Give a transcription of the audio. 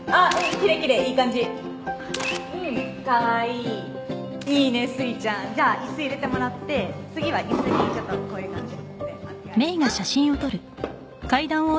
きれいきれいいい感じうんかわいいいいねすいちゃんじゃあ椅子入れてもらって次は椅子にちょっとこういう感じでお願いします